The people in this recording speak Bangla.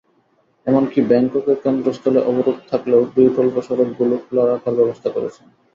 এমনকি ব্যাংককের কেন্দ্রস্থলে অবরোধ থাকলেও বিকল্প সড়কগুলো খোলা রাখার ব্যবস্থা করেছেন।